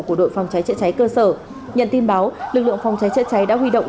của đội phòng cháy chữa cháy cơ sở nhận tin báo lực lượng phòng cháy chữa cháy đã huy động